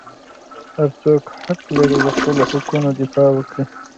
هر څوک حق لري د خپلو حقوقو دفاع وکړي.